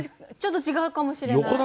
ちょっと違うかもしれない。